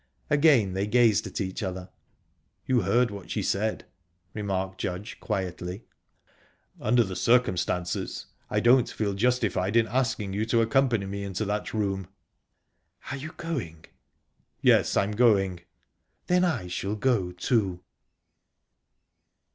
Again they gazed at each other. "You heard what she said," remarked Judge quietly. "Under the circumstances I don't feel justified in asking you to accompany me into that room." "Are you going?" "Yes, I'm going." "Then I shall go, too."